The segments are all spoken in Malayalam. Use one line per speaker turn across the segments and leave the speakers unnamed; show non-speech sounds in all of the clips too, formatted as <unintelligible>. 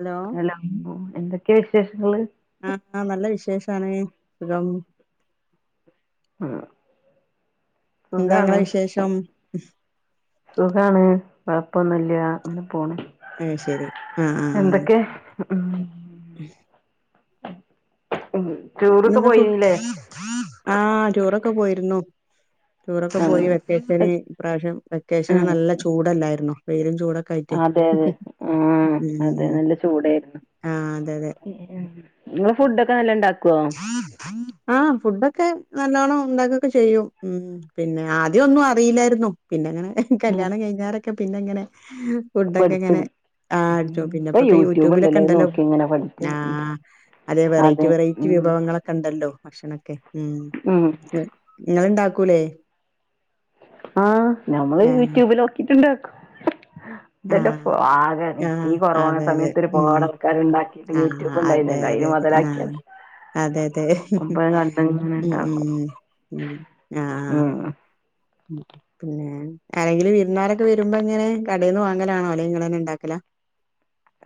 ഹലോ
ഹലോ എന്തൊക്കെയാ വിശേഷങ്ങള്
ആഹ് ആഹ് നല്ല വിശേഷാണ് സുഖം
ആഹ്
എന്താങ്ങളെ വിശേഷം
സുഖാണ് കൊഴപ്പൊന്നുല്ല അങ്ങനെ പോണ്
അയ്ശരി ആ ഹ്ആ ഹ്ആ
എന്തൊക്കെ <inaudible>
ഉം
ടൂറൊക്കെ പോയിനല്ലേ
ആ ടൂറൊക്കെ പോയിരുന്നു ടൂറൊക്കെ പോയി വെക്കേഷന്
ആഹ്
ഇപ്രാവശ്യം വെക്കേഷന്
ഉം
നല്ല ചൂട് ല്ലായിരുന്നോ വെയിലും ചൂടും
അതെ അതെ ആ അതെ
ഉം
നല്ല ചൂടായിരുന്നു
ആഹ് അതെ അതെ
നിങ്ങള് ഫുഡൊക്കെ നല്ലോണ്ടാക്കുവോ
ആ ഫുഡൊക്കെ നല്ലോണം ഉണ്ടാകൊക്കെ ചെയ്യും മ് പിന്നെ ആദ്യം ഒന്നും അറിയില്ലായിരുന്നു പിന്നെ അങ്ങനെ
ഉം
കല്യാണം കഴിഞ്ഞാരൊക്കെ പിന്നങ്ങനെ ഫുഡൊക്കെങ്ങനെ
പഠിച്ചെടു
ആ
ഉം
അടിച്ചോക്കും പിന്നെ
ഇപ്പൊ
ഇപ്പൊക്കെ
യൂട്യൂബ്
യൂട്യൂബിലൊക്കെ
അത്
ഉണ്ടല്ലോ
നോക്കി ഇങ്ങനെ പഠിക്ക
ആ അതെ വെറൈറ്റി വെറൈറ്റി വെറൈറ്റി വിഭവങ്ങളൊക്കെ ഉണ്ടല്ലോ ഭക്ഷണൊക്കെ മ്
ഉം
നിങ്ങളുണ്ടാക്കൂലേ
ആ ഞമ്മള്
ആഹ്
യൂട്യൂബിലോക്കിട്ട്ണ്ടാക്കും ഇതെല്ല
ആഹ്
ആക
ആഹ്
ഈ കൊറോണ
അതെ
സമയത്ത് ഒരുപാട് ആൾക്കാർ ഉണ്ടാക്കിട്ട് യൂ
ആ അതെ അതെ ആ അതെ അതെ
അപ്പൊ അത് കണ്ടിങ്ങനെ
ഉം
ഉണ്ടാക്കും
ഉം ആഹ്
ഉം
ആഹ് പിന്നെ ആരെങ്കിലും വിരുന്നുകാരൊക്കെ വരുമ്പോ ഇങ്ങനെ കടയിൽ നിന്ന് വാങ്ങലാണോ അല്ലേ നിങ്ങളെന്നെ ഉണ്ടാക്കലാ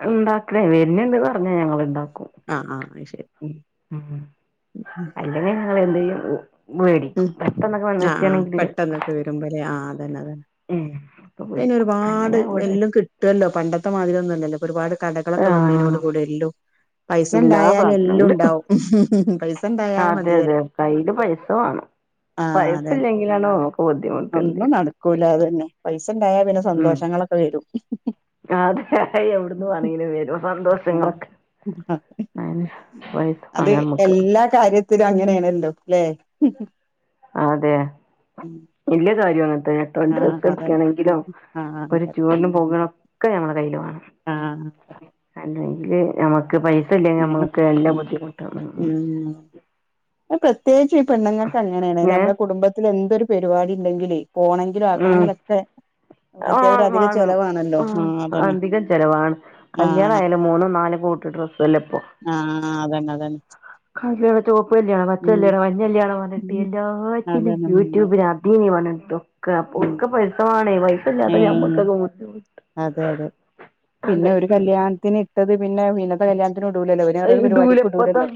ഉണ്ടാക്കലേ വരുന്നുണ്ട് പറഞ്ഞാ ഞങ്ങള് ഉണ്ടാക്കും
ആഹ് ആഹ് അയി ശരി ഉം
ഉം അല്ലെങ്കിൽ ഞങ്ങള് എന്തേലും ചെയ്യും
ഉം
മേടിക്കും പെട്ടെന്നൊക്കെ
ആഹ് ആഹ്
വന്നിട്ടാണെങ്കില്
പെട്ടെന്നൊക്കെ വരുമ്പോലേ ആഹ് അതന്നെ അതന്നെ
ഉം അപ്പൊ
പിന്നെ
മേടിക്കും
ഒരുപാട്
അല്ലെങ്കിൽ ഇവിടെ
എല്ലും കിട്ടുവല്ലോ പണ്ടത്തെ മാതിരിയൊന്നുമല്ലല്ലോ ഒരുപാട് കടകളൊക്കെ വന്നീനോട്
ആഹ്
കൂടെ എല്ലോ പൈസ
എല്ലാ സാധനവും
ഉണ്ടായാലെല്ലോം
ഉണ്ട്
ഉണ്ടാവും പൈസ ഉണ്ടായാല്
അതെ
മതിവറ
അതെ കയ്യില് പൈസ വാണം
അതന്നെ
പയസ്സില്ലെങ്കിലാണോ
ഒന്നും നടക്കൂല അതെന്നെ പൈസ ഉണ്ടായാൽ പിന്നെ
ഉം
സന്തോഷങ്ങളൊക്കെ വരും
അതെ എവിടുന്ന് വേണെങ്കിലും വരും സന്തോഷങ്ങളൊക്കെ
ആഹ്
അതിന് പൈസ വാണം നമ്മുക്ക്
കാര്യത്തിലങ്ങനെയാണല്ലോ അല്ലെ
അതെ
ഉം
ഇല്ല കാര്യം അങ്ങനത്തെ രണ്ട് ഡ്രസ്സ് എടുക്കുകയാണെങ്കിലും
ആഹ്
ഒരു
അതെ
ടൂറിനും പോകണ ഒക്കെ നമ്മെ കയ്യിൽ വേണം
ആഹ്
അല്ലെങ്കിൽ നമുക്ക് പൈസ ഇല്ലെങ്കിൽ
ഏഹ്
നമ്മുക്ക് എല്ലാ ബുദ്ധിമുട്ടും
ഉം പ്രത്യേകിച്ച ഈ പെണ്ണുങ്ങൾക്ക്ങ്ങനെയണെ
ഏ
നമ്മുടെ കുടുംബത്തിൽ എന്തൊരു പരിപാടി ഉണ്ടെങ്കിൽ പോണെങ്കിൽ എല ആക്കണക്കിയൊക്കെ
ആഹ് വാണ്
ആഹ് അതന്നെ
അധികം ചെലവാണ്
ആഹ്
കല്യാണയാലും
അതന്നെ
മൂന്നും നാല കൂട്ട് ഡ്രസ്സ്ല്ല ഇപ്പോ
ആഹ് അതന്നെ അതന്നെ
ക ചോപ്പ് കല്യാണം
ഉം
പച്ചല്യാണോ മഞ്ഞല്യാണോ
അതന്നെ
പറഞ്ഞിട്ട്
ഉം,
എല്ലാത്തിനും
അതന്നെ ഉം
യൂട്യൂബിലാ ഇ വട്ടൊക്കെ അപ്പൊ
ഉം
ഒക്കെ പെെസമാണേ പൈസ
ഏ
ഇല്ലാത്ത ഞമ്മക്ക്
അതെ അതെ പിന്നെ ഒരു കല്യാണത്തിന് ഇട്ടത് പിന്നെത്തെ കല്യാണ ത്തിന് ഇടുലാല്ലോ പിന്നെ വേറരു പരിപാടി
ഇടൂലപ്പത്തെ
ഇടുല്ലാല്ലോ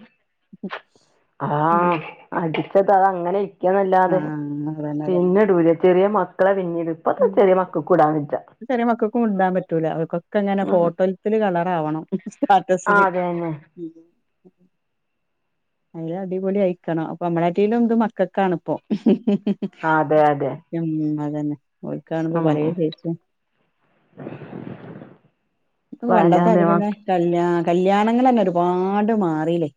ആഹ് അടിച്ചത് അത് അങ്ങനെ ഇയിക്കന്നല്ലാതെ
ആഹ് അതന്നെ അതന്നെ
പിന്നെ ഇടൂല ചെറിയ മ മക്കളെ പിന്നീട് ഇപ്പത്തെ
ഉം
ചെറിയ മക്കൾക്ക് ഇടാൻ വെജ്ജ
ചെറിയ മക്കൾക്കും മുണ്ടാൻ പറ്റൂല അവൾക്കൊക്കെ എങ്ങനെ
ഉം
ഫോട്ടോ കളറാവണം
ആഹ്
സ്റ്ററ്റസില്
അതന്നെ
അതിൽ അടിപൊളി അയിക്കണം അപ്പൊ നന്മളെക്കായിലും ഇത് മക്കൊക്കണപ്പോ
അതെ അതെ
ഉം അത തന്നെ ഓൽക്ക് കാണുമ്പോ
ഉം
പലും ഫിച്ചും പണ്ടത്ത
വല്ലാതെ
അതില്ന്നെ
മക്ക
കല് കല്യാണങ്ങന്നെ ഒരുപാട് മാറില്ലേ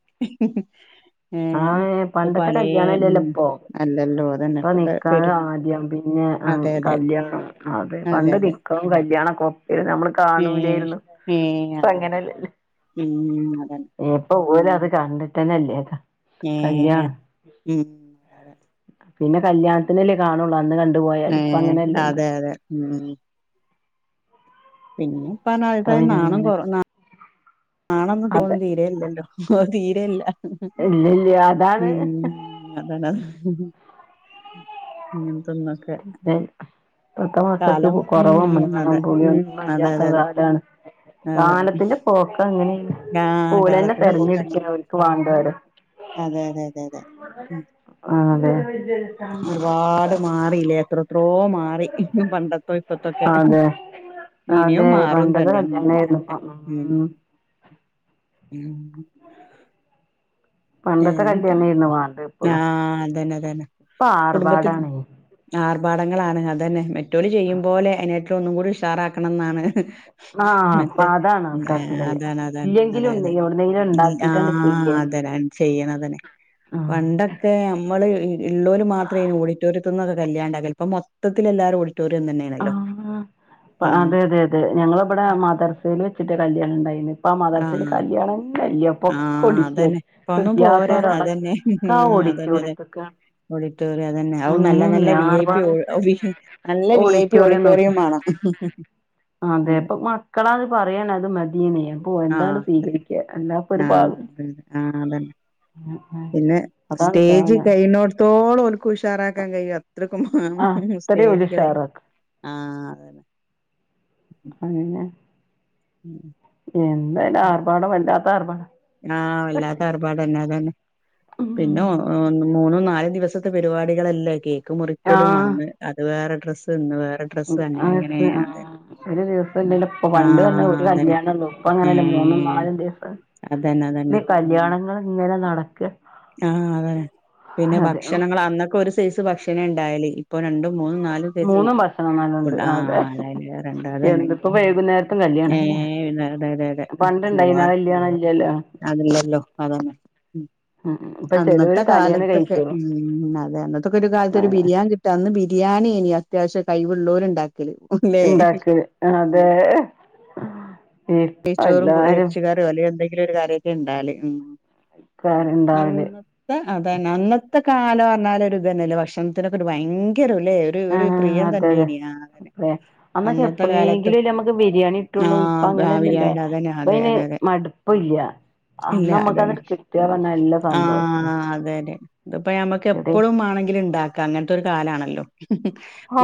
ഏഹ്
ആഹ്
ഇപ്പൊ
പണ്ടത്തെ
പലേ
കല്യാണല്ലേല്ലോ
ഉം
ഇപ്പൊ
അല്ലല്ലോ അതന്നെ
ഇപ്പൊ
ഇപ്പത്തെ പേര്
നിക്കാഹ് ആദ്യം പിന്നെ
അതെ അതെ
കല്യാണം അതെ പണ്ട് നി കല്യാണക്ക ഒപ്പ ആരുന്നു നമ്മള്
ഏഹ്
കാണൂലേര്ന്നു.
ഏഹ്
ഇപ്പ
അതെ അതെ ഉം അതന്നെ
ഇപ്പപ്പോ ഒര് അത് കണ്ടിട്ടന്നെല്ലേതോ
ഏഹ്
കല്യാണം
ഉം
പിന്നെ കല്യാണത്തിനല്ലേ കാണുള്ളൂ അന്ന് കണ്ട പോയൽ ഇപ്പ
ഏഹ്
അങ്ങനെയല്ലല്ലോ
അതെ അതെ ഉം പിന്നെ ഇപ്പ അതായ
പിന്നെ
നാണം
ഇങ്ങനെ
കോ നാണന്നും
അതെ
തോന്നും തീരയില്ലല്ലോ തീരയില്ല
ഇല്ല ഇല്ല അതാണ്
അതാണ് അതാണ് ഇങ്ങനത്തെ ഒന്നൊക്കെ
ഇപ്പത്ത മക്കക്ക് കൊറവും
ഉം അതെ ഉം
പുളിയൊന്നന്നും
അതെ
ഇല്ലാത്ത
അതെ അതെ
കാലാണ്
അതെ
കാലത്തിന്റെ പോക്കങ്ങനെണ്
ആഹ്
പോലെന്നെ
കാലത്തിന്റെ
തിരഞ്ഞെടുക്ക
പോക്കങ്ങനെ
ഓല്ക്ക് വാന്ഡിയോലെ
അതെ അതെ അതെ അതെ ഉം
ആഹ് അതെ
ഒരുപാട് മാറിയില്ലേ എത്രത്രോ മാറി പണ്ടത്തോ ഇപ്പത്തൊക്കെ
അതെ
ഇനിയും
അതെ
മാറും
പണ്ടത്തെ
തന്നെ
കല്യാണായിരുന്നു ഇപ്പം ഉം
ഉം
പണ്ടത്തെ
ഏഹ്
കല്യാണായിരുന്നു വാണ്ടത് ഇപ്പളും
ആഹ് അതന്നെ അതന്നെ
ഇപ്പൊ
കുടുംബത്തിൽ
ആർഭാടാണേ
ആർഭാടങ്ങളാണ് അതന്നെ മറ്റോല് ചെയ്യുമ്പോലെ അതിനെ ഒന്നും കൂടി ഉഷാറാക്കണം എന്നാണ്
ആഹ് അപ്പൊ
മറ്റേ
അതാണ് ആൾക്കാർക്കുള്ളത്
അതാണ് അതാണ്
ഇല്ലെങ്കിലും
അതെ
ഉണ്ട്
അതെ
എവിടുന്നെങ്കിലും ഉണ്ടാക്കിട്ടാണ്ട്
ആഹ്
ചെയ്യാന്
അത ചെയ്യണംതെ വ
ആഹ്
ഉണ്ടൊക്കെ നമ്മള്ള്ളവര് മാത്രനി ഓഡിറ്റോറിയത്തിൽന്നൊക്കെ കല്യാണ്ടാക്കില്ല ഇപ്പ മൊത്തത്തിൽ എല്ലാരുംഓ ന്നേണ്
ആഹ് അതെ അതെ അതെ ഞങ്ങള ഇവിടെ മദർസൽ വെച്ചിട്ട് കല്യാണം ഉണ്ടായി പ്പ മദാസിന്
ആഹ്
കല്യാണംന്നല്ല
ആഹ് അതന്നെ ഇപ്പ ഒന്നും പോരാ അതന്നെ
ഇല്ലാത്തോരടക്കം
ഉം അതന്നെ അതെ
ഓഡിറ്റോറിയത്ത്ക്കാണ്
ഓഡിറ്റോറിയ തന്നെ അഉം നല്ല
അങ്ങനെയാണ്
നല്ല വി ഐ പി
ആർഭാടം
നല്ല വി ഐ പി ഓഡിറ്റോറിയം മാണം
അതെ അപ്പൊ മക്കളാ അത് പറയാന അത് മതിയനേ അപ്പൊ എന്താണ്
ആഹ് അതെ
സ്വീകരിക്ക എന്നാപ്പൊ ഒരു
ആഹ്
പാഗം
അതന്നെ ആഹ് അതന്നെ പിന്നെ സ്റ്റേജ് കൈനോടത്തോളം ഒരുക്ക് ഉഷാറാക്കാൻ കഴിയാ അത്രക്കും മാണം
ആഹ് അത്രയും ഓല്
സ്റ്റേജുകള
ഉഷാറാക്ക
ആഹ് അതന്നെ
അതന്നേ
ഉം
എന്തായാലും ആർഭാടം വല്ലാത്ത ആർഭാടം
ആഹ് വല്ലാത്തറപാടന്നെ അതന്നെ പിന്നോ മൂന്നും നാലും ദിവസത്തെ പരിപാടികളല്ല ഒക്കെ മുറിക്കലും
ആഹ്
വന്ന് അത് വേറെ ഡ്രസ്സ് ഇന്ന് വേറെ ഡ്രസ്സ് അങ്ങനെ
ആഹ്
എങ്ങനെയ അതെ
ഒരു ദിവസം
ഉം
ഇല്ല ഇപ്പൊ പണ്ട് തന്നെ
ആഹ്
ഒരു
അതന്നെ
കല്യാണള്ളൂ ഇപ്പ അങ്ങനല്ല മൂന്നും
ഏഹ്
നാലും ദിവസം
അതന്നെ
ഇല്ല
അതന്നെ
കല്യാണങ്ങൾ ഇങ്ങനെ നടക്ക്
ആഹ് അതതെ പിന്നെ ഭക്ഷണങ്ങൾ അന്നൊക്കെ ഒരു സൈസ് ഭക്ഷണ ഉണ്ടായല്േ ഇപ്പൊ രണ്ടും മൂന്നും നാലും സൈസ്
മൂന്നും ഭക്ഷണം നല്ലോണ്ട്
ഫുഡ്
അതെ
ആഹ് ല രണ്ട അതന്നെ
എന്തിപ്പോ വൈകുന്നേരത്തും
ഏഹ്
കല്യാണല്ലേ
പിന്ന അട അതത പോവാ
പണ്ടുണ്ടായിന്ന ആ കല്യാണം ഇല്ലല്ലോ
അതല്ലല്ലോ അതാണ് ഉം
ഉം ഇപ്പൊ ചെലോര്
അന്നത്തെ
തലേന്ന്
കാലത്തൊക്കെ
കഴിച്ചോളും
ഉം അതെ അന്നത്തൊക്കെ ഒരു കാലത്ത് ഒരു ബിരിയാണി ന്ന് ബിരിയാണിയെനി അത്യാവശ്യം കഴിവുള്ളവരു ഉണ്ടാക്കല്േ ല്ലേ
ഇണ്ടാക്ക് അതെ ഇപ്പ
നെയ്ച്ചോറും
എല്ലാരും
എറച്ചി കറി പല എന്തെങ്കിലും ഒരു കാര്യൊക്കെ ഇണ്ടല് ഉം
ഇണ്ടാവല്
അതന്നേ അന്നത്തെ കാലം പറഞ്ഞാല ഒരുപ നല്ല ഭക്ഷണത്തിനൊക്കെ ഒരു ഭയങ്കര ഉലയ
ആഹ് അതെ അതെ അ അന്നൊക്കെ
അന്നത്തെ കാലത്ത്
എപ്പോഴെങ്കിലും നമ്മുക്ക് ബിരിയാണി
ആ
ുള്ളൂ ഇപ്പ
ആ
അങ്ങനെല്ലല്ലോ
ബിരിയാണിടെ അതന്നെ
ഇപ്പ
അതെ
അയ്ന്
അതെ അതെ
മടുപ്പല്ല അന്ന് നമ്മുക്കത്ടുക്ക
ആഹ് അതെതെ ഇതിപ്പോ മ്മക്ക്
എവിടെ
എപ്പോഴും വേണെങ്കിലും ഉണ്ടാക്ക അങ്ങനത്തെ ഒരു കാലാണല്ലോ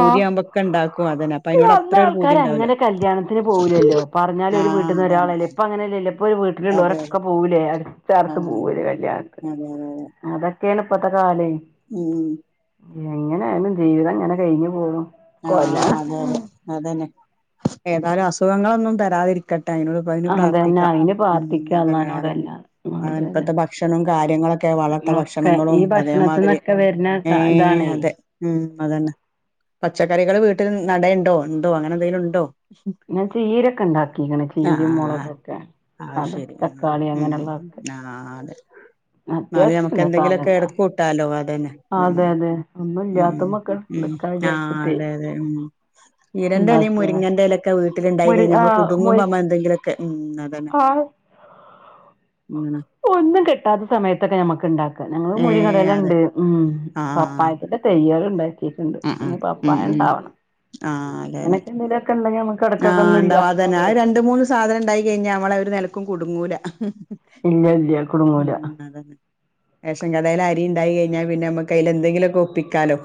ആഹ്
ഇണ്ടാക്കും അതന്നെ അപ്പൊ
പിന്നെ
അതിനോട്
അന്ന്
അത്രൊ ഒരു പൂതി
ആൾക്കാര്
ഉണ്ടാവലോ
അങ്ങനെ കല്യാണത്തിന് പോവൂലല്ലോ പറഞ്ഞാലും ഒരു വീട്ടിൽ നിന്ന് ഒരാളല്ലേ ഇപ്പം അങ്ങനെയല്ലല്ല ഇപ്പൊ ഒരു
അതെ
വീട്ടിലുള്ളള്ളവരൊക്കെ
അതെ
പോവുലേ അടുത്ത അടുത്ത് പോകൂലേ കല്യാണം
അതെയതെ
അതൊക്കെയാണ് ഇപ്പത്തെ കാലേയ്
ഉം
എങ്ങനെയാലും ജീവിതംങ്ങനെ കഴിഞ്ഞു പോണു
ആഹ്
കൊല
അതെ അതെ അതന്നെ ഏതായാലും അസുഖങ്ങളൊന്നും തരാതിരിക്കട്ടെ അതിനോ പ്പ അതിന്
അതന്നെ
പ്രാർത്ഥിക്കാം
അയിന്
ഉമ്
പ്രാർത്ഥിക്ക
അതനെ
അള്ളാനോട്
അതന്നെ
അല്ലാതെ
അന്നെ
അതെതെ
ഇപ്പത്തെ ഭക്ഷണം കാര്യങ്ങളൊക്കെ വളട്ട ഭക്ഷണം
ഒക്കെ
ഭക്ഷണങ്ങളും
ഈ
അതേമാതിരി
ഭക്ഷണത്തിന്നൊക്കെ വരുന്ന
ഏഹ്
ഇതാണേ
അതെ ഉം അതന്നെ പച്ചക്കറികൾ വീട്ടിൽ നടയേണ്ടോ ഉണ്ടോ അങ്ങനെ എന്തെങ്കിലും ഉണ്ടോ
ൻ ചീരൊക്കെ ണ്ടാക്കിക്കണ് ചീരയും
ആഹ്
മുളകുക്കെ
അത്
അത
ശരി ആഹ്
തക്കാളി
ഉം
അങ്ങനെയള്ള
ആഹ് അതെ നാള ഞമക്ക്
അത്യാവശ്യത്തിനുള്ള സാധന
എന്തെങ്കിലോക്കെ എടക്കൂട്ടാലോ അതന്നെ
അതെ
ഉമ്
അതെ ഒന്നും
ഉം
ഇല്ലാത്തുമ്മൊക്കെ
ഉം
എടുക്കാ
ആഹ്
വിചാരിച്ചിട്ടേ
അതെ അതെ ഉമ് ചീരന്റെലിം
ഉണ്ടാക്കിയതാ
മുരിങ്ങന്റെലൊക്കെ വീട്ടിലുണ്ടായി
മുരി
കഴിഞ്ഞ
ആ
നമ്മള് കുടുങ്ങുമ്പോനമ്മ എന്തെങ്കിലൊക്കെ ഉം അതന്നെ
ആഹ്
ഉം
ഒന്നും കെട്ടാത്ത സമയത്തൊക്കെ ഞമ്മക്ക് ഇണ്ടാക്കാം ഞങ്ങള്ൾ
ഏഹ്
മുരിങ്ങടല
അതെ
ണ്ട് ഉമ്
ആഹ്
കപ്പായിട്ടട്ട് തെയ്യല് ണ്ടാക്കിട്ട്ണ്ട്
ഉം ഉം
പിന്നെ
ഉം
പപ്പായ
ഉം
ണ്ടാവണം
ആഹ് അതെ അതെ
അങ്ങനെയൊക്കെ എന്തെങ്കിലുക്കെ ഉണ്ടെങ്കിൽ നമുക്ക് എടക്കൊക്കെ
ആഹ്
ഒന്നും ഇല്ലാത്തപ്പോ
ണ്ടാവാതന്നെ
അങ്ങട്
അത് രണ്ട
വെക്കും
മൂന്ന് സാധനം ഇണ്ടായി കഴിഞ്ഞ നമ്മള ഒര് നെലക്കും കുടുങ്ങൂല
ഇല്ല ഇല്ല കുടുങ്ങൂല
അതങ്ങ് റേഷൻ കടയിലെ അരി ഉണ്ടായി കഴഞ്ഞാ പിന്നെ അമുക്ക് അതില് എന്തെങ്കിലൊക്കെ ഒപ്പിക്കാലോ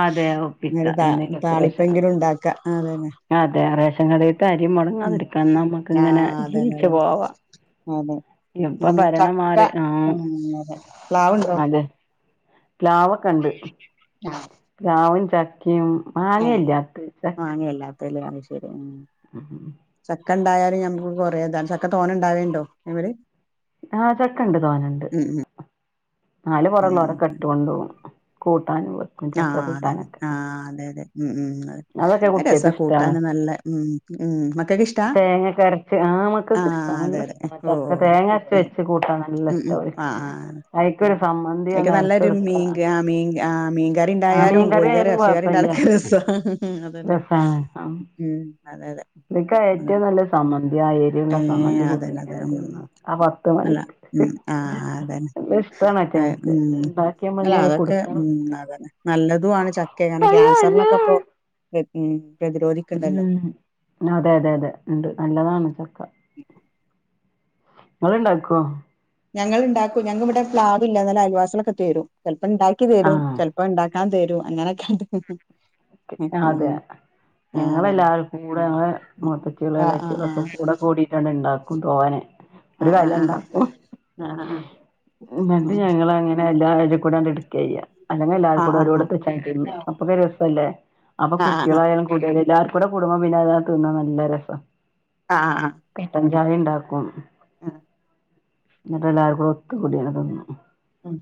അതെ ഒപ്പിക്ക
അ ത
എന്തെങ്കിലൊക്കെ റേഷൻ
താളിപ്പെങ്കിലും
ഉണ്ട്.
ണ്ടാക്ക അതന്നെ
അതെ റേഷൻ കടയിതെ അരി
ഉം
മുടങ്ങാതിരിക്കന്നമ്മക്ക് ഇങ്ങനെ
ആഹ് അതന്നെ
ജീവിച്ചു
അതന്നെ
പോവാ
അതെ
ഇപ്പൊ
ഉം
ഭരണം
ചക്ക
മാറി ആഹ്
ഉം അതെ പ്ലാവുണ്ടോ
അതെ പ്ലാവൊക്കെണ്ട്
അഹ്
പ്ലാവും ചക്കിം
ഏഹ് മങ്ങേയല്ലാതലെ അത് ശെരി ആഹ്
ഉം ഉം ഉം
ചക്ക ണ്ടായാലും ഞമ്മക്ക് കൊറേതാ ചക്ക തോനെണ്ടാവേണ്ടോ അയ്മെല്
ആഹ് ചക്കണ്ട് തോനെണ്ട്
ഉം
നാല്
ഉം
പൊറള്ളോരൊക്കെ ഇട്ട് കൊണ്ടോകും കൂട്ടാന് വെക്
ആഹ് അതന്നെ ആഹ് അതെ അതെ ഉം ഉം
അതൊക്കെ
അത് രസ
കുട്ട്യേക്ക് ഇഷ്ടാണ്
കൂട്ടാനും നല്ല ഉം ഉം മക്കക്ക് ഇഷ്ട
തേങ്ങക്കെ അരച്ച് ആ മക്കൾക്ക് ഇഷ്ടാ
ആഹ്
നല്ല
അതെ അതെ
ഇഷ്ടാ ചക്ക
ഓഹ്
തേങ്ങ അരച്ച് വെച്ച് കൂട്ടാൻ നല്ല
ഉം
ഇഷ്ടാ
ഉം
ഓൽക്ക്
ആഹ്
അയ്ക്കൊരു
അയ്ക്ക്
സമ്മന്തിയാണ്ട്
നല്ലൊരു
അരച്ചൊടുത്താ
മീൻക ആഹ് മീൻകആഹ്
ആ
മീൻകാറിണ്ടായാലും
മീൻകറി
കോഴിക്കറി
ആയാലും കൊഴപ്പല്ല
എർച്ചിക്കാർണ്ടായാലൊക്കെ രസ അതന്നെ ഉമ് അതെ അതെ
ഇതിക് ഏറ്റവും നല്ല സമ്മന്തിയാ ഏര്
ഏഹ് അതനെ അത ഉം
ആ പത്ത്
അല്ല
മണിക്ക്
ഉം ആഹ് അതന്നെ
നല്ല ഇഷ്ടാണ്
അ
അയ്റ്റങ്ങക്ക്
ഉം
ഇണ്ടാക്കിയാമ്മ
അല്ല
ഇങ്ങനെ
അതൊക്കെ
കൊടുക്കണം
ഉം അതന്നെ നല്ലതുണ് ചാ കിയാണ് ക്യാൻസറിനൊക്കെപ്പൊ ഉം പ്രതിരോധിക്ക്ണ്ടല്ലോ.
ഉം അതെ അതെ അതെ ഉണ്ട് നല്ലതാണ് ചക്ക
ഉം
ഇങ്ങള് ഇണ്ടാക്കോ
ഞങ്ങൾ ഇണ്ടാക്കും ഞങ്ക്ക് ഇവടെ പ്ലാവ് ഇല്ല നാല് അലിവാസളൊക്കെ തരും ചിലപ്പപ്പോ ഇണ്ടാക്കി തരും
ആഹ്
ചെ ഇപ്പൊ ഉണ്ടാക്കാൻ തരൂ അങ്ങനൊക്കെണ്ട്
അതെ ഞങ്ങളെല്ലാരും കൂടെ ഞങ്ങെ മുത്തച്ചിഅള്
ആ ആ ആ
ഇളച്ചിഅളൊക്കെ കൂടെ കൂടി ട്ടട് ഇണ്ടാകും തോനെ
അഹ് അഹ് അഹ് ആഹാ
ഇന്നട്ട് ഞങ്ങളങ്ങനെ എല്ലാരുംകൂടെണ്ട് ടുക്കയ്യ അല്ലെങ്കി എല്ലാരും
ആ
കൂടെ
ആ ആ
ഓരോട്തേച്ചാണ്ട് തിന്നും അപ്പക്കെ രസല്ലേ അപ്പൊ
ആ
കുട്ടികളായാലും കൂടിയാല് എല്ലാർക്കൂടെ കുടുംബ പിന്നെ അതങ്ങ് തീന്നാന് നല്ല രസ
അഹ് അഹ് ആഹ്
കട്ടൻചായ ഇണ്ടാക്കും
ആഹ്
ന്നട്ട് എല്ലാരും ഒത്തുകൂടിയാണ്ട് തിന്നും
ഉം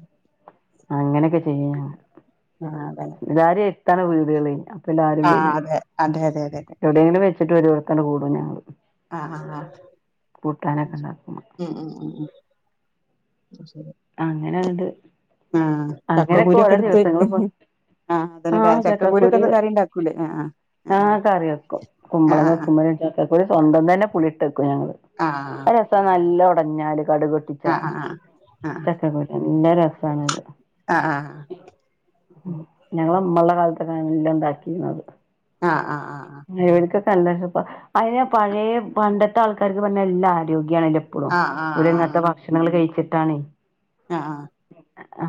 അങ്ങനെയൊക്കെ ചെയ്യാ
ആ അതെ
എല്ലാരി എട്ത്താണ് വീടുകള് അപ്പ എല്ലാരും
ആ
വരും
അതെ അതെ അതെ അതെ അതെ
എവ്ടെങ്കിലും വെച്ചിട്ട് ഒരോട്താണ്ട് കൂടും ഞങ്ങള്
ആ ആ ആ
കൂട്ടാനോക്കെ ഇണ്ടാക്കും
ഉം ഉം ഉം ഉം
അങ്ങനെണ്ട്
ആ
അങ്ങനെയൊക്കെ
ചക്കകുരു
ഓരോ
ഒക്കെ ഇട്ത്ത് വെ
ദിവസങ്ങള് പോ
<unintelligible> ആ അതന്നെ
ആഹ്
ചക്ക കുരോക്കെ
ചക്കക്കുരു
ഒന്ന് കറി ഇണ്ടാക്കൂലേ ആ ആ
ആഹ് കറി വെക്കും
ആ
കുമ്പളങ്ങ വെക്കുമ്പയെ ചക്കകുരു സ്വന്തം തന്നെ പുളിട്ട് വെക്കും ഞങ്ങള്
ആ
രസ നല്ല ഒടഞ്ഞാല് കടുക്
ആ ആ ആ
ചക്ക കുരു നല്ല രസാണത്
ആ ആ
ഞങ്ങള ഇമ്മള്ള കാൽത്തൊക്കെ എല്ലം ഇണ്ടാക്കീനി <unintelligible> <unintelligible>
ആ ആ ആ ആ
<unintelligible> പയേ പയെ പണ്ടത്തെ ആൾക്കാര്ക്ക് പർഞ്ഞാ നല്ല ആരോഗ്യണല്ലോ പ്പളും
ആ ആ
ഓല്
ആ
ഇങ്ങൻത്തെ ഭക്ഷണങ്ങള് കഴിച്ചിട്ടാണ്
ആ ആ
ആ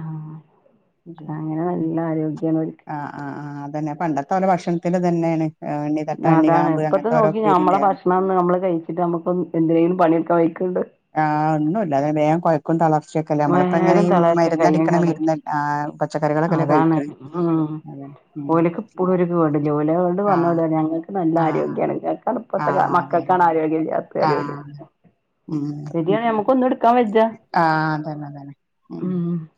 അങ്ങനെ നല്ല ആരോഗ്യാണ് ഓൽക്ക്
ആ ആ അതന്നെ പണ്ടത്തെ ഓലെ ഭക്ഷൺത്തിന്റെ തന്നെണ് ഇണ്ണി തട്ട ഇണ്ണി
അതാണ്
കാമ്പ്
ഇപ്പത്തെ
അങ്ങൻത്തെ ഓരോ
നോക്കി
ഉപ്പേരിന്റെ
<unintelligible> നമ്മള് കഴിച്ചിട്ട് നമുക്കൊന്ന് എന്തെലും പണി ഇട്ക്കാൻ വയ്ക്ക്ണ്ടോ
ആ ഒന്നുല്ല അങ്ങനെ വേം കൊയ് ക്കും തളർച്ചയൊക്കെല്ലേ നമ്മളിപ്പ എങ്ങനെ
വേഗം
ഈ
തളർച്ച കയ്യും
മര്ന്നടിക്ക്ണ
കാലും
മര്ന്ന് ആ പച്ചക്കറികളൊക്കല്ലേ
അതാണ്
കഴിക്ക്ണ്
ഉം
അതെ
ഓല്ക്ക് ഇപ്പളും ഒരു <unintelligible> ഇങ്ങട്ട് വന്ന ഓല്
ആഹ്
പറിം ഞങ്ങൾക്ക് നല്ല
ആഹ്
ആരോഗ്യാണ് <unintelligible> ഇപ്പത്തെ
ആഹ് അതന്നെ
മക്കൾക്കാണ് ആരോഗ്യം ഇല്ലാത്തെ പറിം ഓല്
ആഹ്
ശരിയാണ് നമുക്ക് ഒന്നും ഇട്ക്കാം വജ
ആ അതന്നെ അതന്നെ
ഉം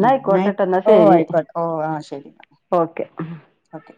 ന്നാ
ഉം ന്ന അയ്
ആയിക്കോട്ടെട്ടോ ന്നാ
ഓ
ശരി
അയിക്കോട്ടെ ഓ ആ ശരി ന്നാ
ഓക്കെ
ഓക്കെ